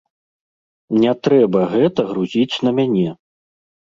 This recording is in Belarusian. Не трэба гэта грузіць на мяне.